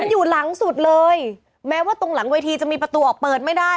มันอยู่หลังสุดเลยแม้ว่าตรงหลังเวทีจะมีประตูออกเปิดไม่ได้